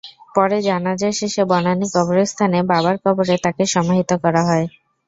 পরে জানাজা শেষে বনানী কবরস্থানে বাবার কবরে তাঁকে সমাহিত করা হয়।